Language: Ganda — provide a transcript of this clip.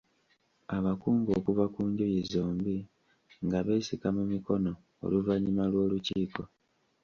Abakungu okuva ku njuuyi zombi nga beesika mu mikono oluvannyuma lw’olukiiko.